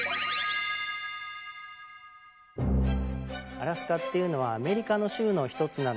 アラスカっていうのはアメリカの州の１つなんです。